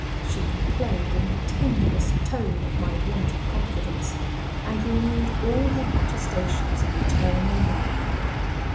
She complained, in the tenderest tone, of my want of confidence, and renewed all her protestations of eternal love.